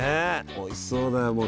おいしそうだよ。